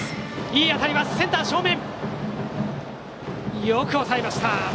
いい当たりでしたがセンター正面よく抑えました。